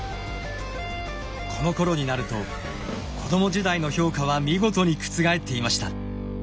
このころになると子ども時代の評価は見事に覆っていました。